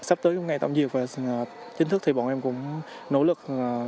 sắp tới ngày tổng diệt và chính thức thì bọn em cũng nỗ lực